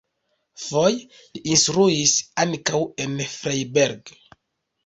Foje li instruis ankaŭ en Freiberg.